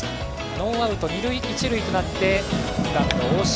ノーアウト二塁一塁となって２番の大城。